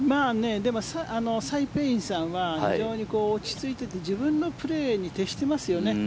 でもサイ・ペイインさんは非常に落ち着いていて自分のプレーに徹していますよね。